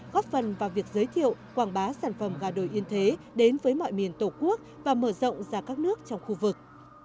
góp phần vào việc giới thiệu quảng bá sản phẩm gà đồi yên thế đến với mọi miền tổ quốc và mở rộng ra các nước trong khu vực